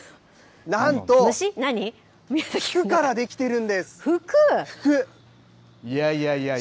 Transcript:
なんと、服から出来ているんです。